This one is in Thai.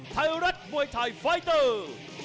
ไทยรัฐมวยไทยไฟเตอร์